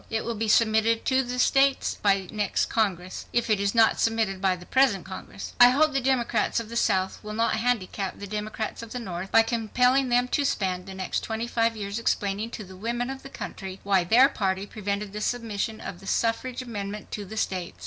It will be submitted to the states by the next Congress, if it is not submitted by the present Congress. "I hope the Democrats of the South will not handicap the Democrats of the North by compelling them to spend the next twenty five years explaining to the women of the country why their party prevented the submission of the suffrage amendment to the states.